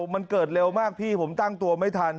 มันเกิดเร็วมากพี่ผมตั้งตัวไม่ทัน